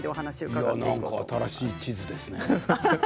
何か新しい地図ですね。